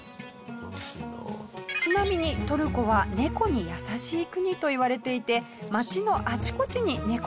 ちなみにトルコはネコに優しい国といわれていて街のあちこちにネコちゃんが。